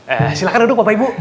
eh silahkan duduk bapak ibu